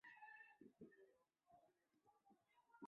两国都同样是北约组织及欧盟的成员国家。